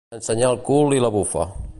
Ensenyar el cul i la bufa.